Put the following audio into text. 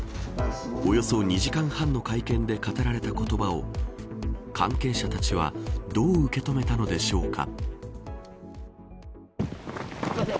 およそ２時間半の会見で語られた言葉を関係者たちはどう受け止めたのでしょうか。